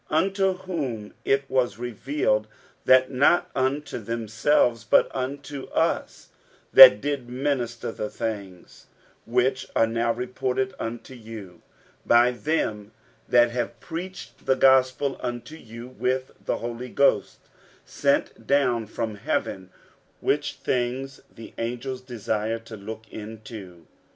60:001:012 Unto whom it was revealed, that not unto themselves, but unto us they did minister the things, which are now reported unto you by them that have preached the gospel unto you with the Holy Ghost sent down from heaven; which things the angels desire to look into.